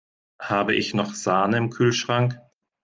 Habe ich noch Sahne im Kühlschrank?